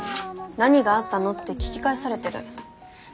「何があったの」って聞き返されてる。